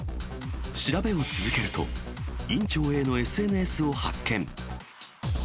調べを続けると、院長ＡのＳＮＳを発見。